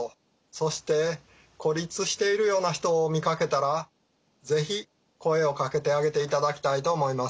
そして孤立しているような人を見かけたら是非声を掛けてあげていただきたいと思います。